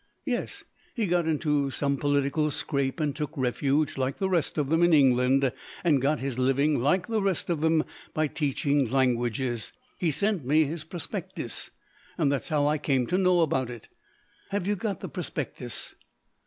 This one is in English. "Yes. He got into some political scrape, and took refuge, like the rest of them, in England; and got his living, like the rest of them, by teaching languages. He sent me his prospectus that's how I came to know about it." "Have you got the prospectus?"